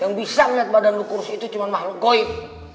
yang bisa melihat badan lo kursi itu cuma mahluk goib